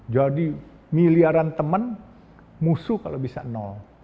jadi miliaran teman musuh kalau bisa nol